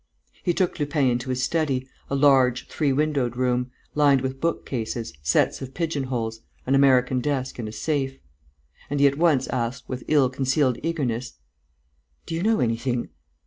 He took Lupin into his study, a large, three windowed room, lined with book cases, sets of pigeonholes, an American desk and a safe. And he at once asked, with ill concealed eagerness: "Do you know anything?"